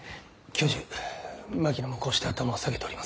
教授槙野もこうして頭を下げております。